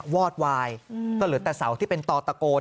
วอดวายก็เหลือแต่เสาที่เป็นตอตะโกน